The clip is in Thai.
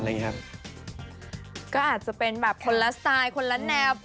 ก็อาจจะเป็นแบบคนละสไตล์คนละแนว